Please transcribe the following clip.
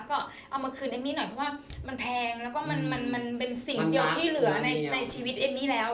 ก็เอามาคืนเอมมี่หน่อยเพราะว่ามันแพงแล้วก็มันเป็นสิ่งเดียวที่เหลือในชีวิตเอมมี่แล้ว